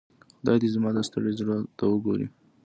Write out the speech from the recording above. خدای دي زما دا ستړي زړۀ ته وګوري.